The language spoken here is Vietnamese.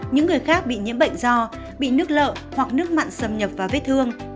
những người khác bị nhiễm bệnh do bị nước lợ hoặc nước mặn xâm nhập vào vết thương